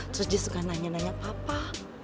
terus dia suka nanya nanya papa